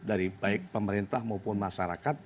dari baik pemerintah maupun masyarakat